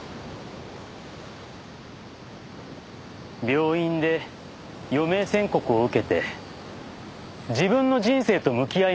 病院で余命宣告を受けて自分の人生と向き合いました。